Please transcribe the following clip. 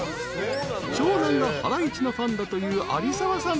［長男がハライチのファンだという有澤さん］